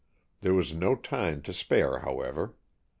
There was no time to spare, however.